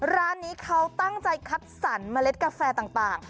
ร้านนี้เขาตั้งใจคัดสรรเมล็ดกาแฟต่าง